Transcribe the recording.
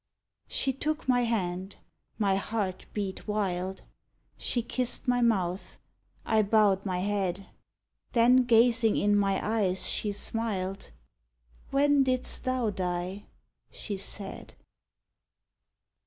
She took my hand. My heart beat wild. She kissed my mouth. I bowed my head. Then gazing in my eyes, she smiled: "When did'st thou die?" she said.